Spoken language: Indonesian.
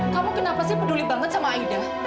kamu kenapa sih peduli banget sama aida